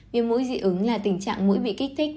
viêm mũi dị ứng là tình trạng mũi bị kích thích